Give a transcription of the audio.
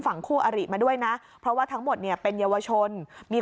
คู่อริมาด้วยนะเพราะว่าทั้งหมดเนี่ยเป็นเยาวชนมี